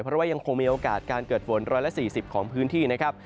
เพราะว่ายังคงมีโอกาสการเกิดฝน๑๔๐ของพื้นที่นะครับ